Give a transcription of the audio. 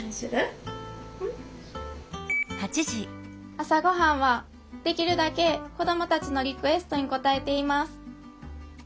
朝ごはんはできるだけ子どもたちのリクエストに応えています。